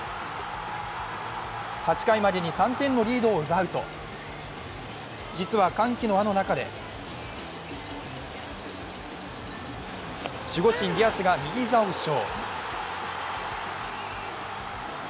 ８回までに３点のリードを奪うと実は歓喜の輪の中で、守護神・ディアスが右膝を負傷。